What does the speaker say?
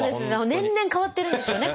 年々変わってるんですよね